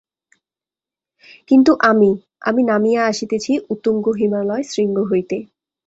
কিন্তু আমি, আমি নামিয়া আসিতেছি উত্তুঙ্গ হিমালয় শৃঙ্গ হইতে।